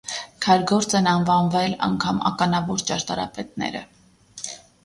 Քարգործ են անվանվել, անգամ, ականավոր ճարտարապետները։